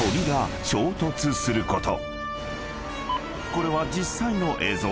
［これは実際の映像。